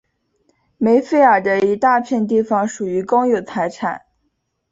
梅费尔的一大片地方属于公有财产。